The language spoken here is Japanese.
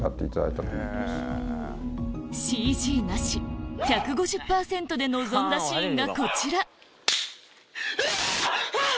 ＣＧなし１５０％で臨んだシーンがこちらうわあぁ‼